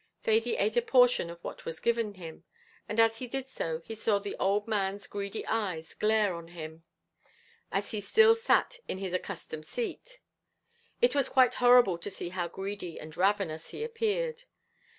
Thady eat a portion of what was given him; and as he did so he saw the old man's greedy eyes glare on him, as he still sat in his accustomed seat; it was quite horrible to see how greedy and ravenous he appeared.